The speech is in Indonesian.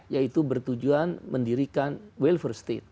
yaitu bertujuan mendirikan welfare state